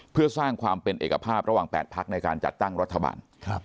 เพื่อสร้างความเป็นเอกภาพระหว่าง๘พักในการจัดตั้งรัฐบาล